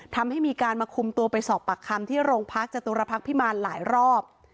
ทำให้มีการมาคุมตัวไปสอบปากคำที่โรงพักจตุรพักษ์พิมารหลายรอบ